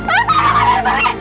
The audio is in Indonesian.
aduh kalian pergi